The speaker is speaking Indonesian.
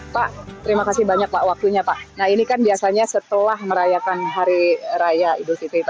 pak terima kasih banyak pak waktunya pak nah ini kan biasanya setelah merayakan hari raya idul fitri